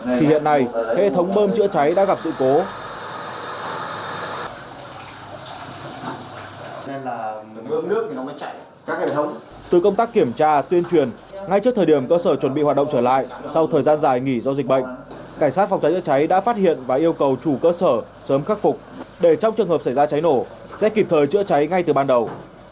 cảnh sát phòng cháy chữa cháy đã phát hiện và yêu cầu chủ cơ sở sớm khắc phục để trong trường hợp xảy ra cháy nổ sẽ kịp thời chữa cháy ngay từ ban đầu